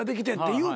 言うて。